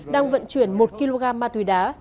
đang vận chuyển một kg ma túy đá